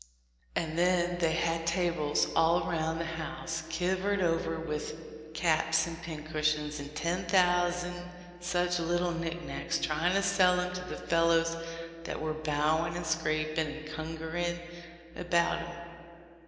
And then they had tables all around the house kivered over with [] caps and pincush ions and ten thousands such little knic knacks, tryin' to sell 'em to the fellows that were bowin' and scrapin' and kungeerin' about 'em.